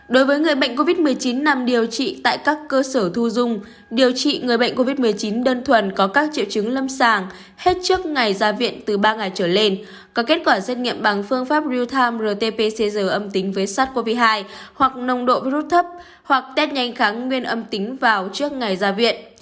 đối với người bệnh covid một mươi chín nằm điều trị tại các cơ sở thu dung điều trị người bệnh covid một mươi chín đơn thuần có các triệu chứng lâm sàng hết trước ngày ra viện từ ba ngày trở lên có kết quả xét nghiệm bằng phương pháp real time rt pcr âm tính với sars cov hai hoặc nồng độ virus thấp hoặc test nhanh kháng nguyên âm tính vào trước ngày ra viện